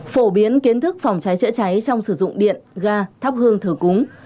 phổ biến kiến thức phòng cháy chữa cháy trong sử dụng điện ga thắp hương thờ cúng